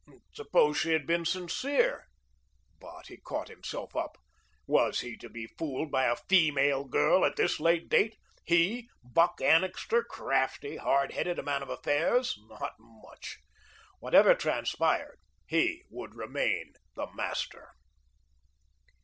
Suppose she had been sincere. But he caught himself up. Was he to be fooled by a feemale girl at this late date? He, Buck Annixter, crafty, hard headed, a man of affairs? Not much. Whatever transpired he would remain the master.